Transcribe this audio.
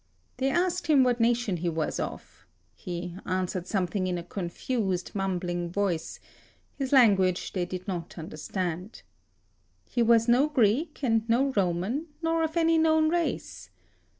They asked him what nation he was of; he answered something in a confused mumbling voice: his language they did not understand. He was no Greek and no Roman, nor of any known race.